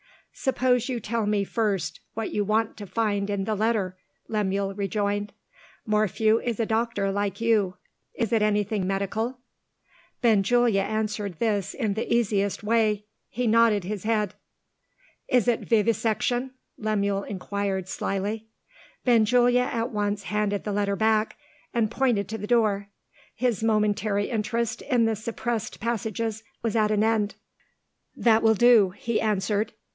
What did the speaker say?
"Suppose you tell me first, what you want to find in the letter," Lemuel rejoined. "Morphew is a doctor like you. Is it anything medical?" Benjulia answered this in the easiest way he nodded his head. "Is it Vivisection?" Lemuel inquired slyly. Benjulia at once handed the letter back, and pointed to the door. His momentary interest in the suppressed passages was at an end. "That will do," he answered.